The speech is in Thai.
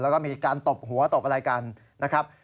ก็มีการปิดหัวปิดอะไรกัน